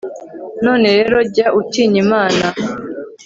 none rero jya utinya imana